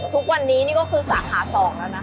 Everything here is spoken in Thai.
ทุกวันนี้นี่ก็คือสาขา๒แล้วนะคะ